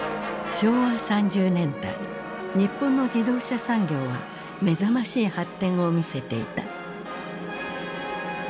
昭和３０年代日本の自動車産業は目覚ましい発展を見せていた。